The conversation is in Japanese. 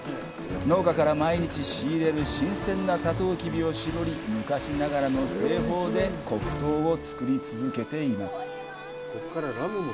農家から毎日仕入れる新鮮なサトウキビを搾り、昔ながらの製法で黒糖を作り続けています。